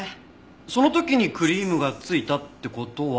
その時にクリームが付いたって事は。